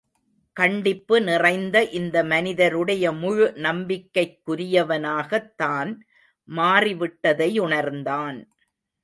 கண்டிப்பு நிறைந்த இந்த மனிதருடைய முழு நம்பிக்கைக்குரியவனாகத் தான் மாறி விட்டதையுணர்ந்தான்.